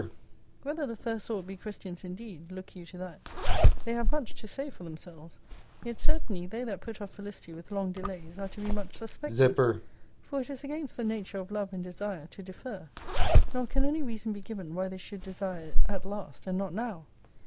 Whether the first sort be Christians indeed, look you to that. They have much to say for themselves. Yet certainly they that put off felicity with long delays are to be much suspected. For it is against the nature of love and desire to defer. Nor can any reason be given vrhy they should desire it at last, and not now.